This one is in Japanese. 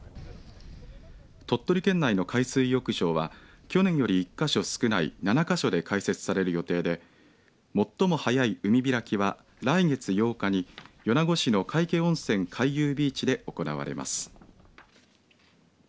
鳥取県内の海水浴場は去年より１か所少ない７か所で開設される予定で最も早い海開きは、来月８日に米子市の皆生温泉海遊ビーチで行われます。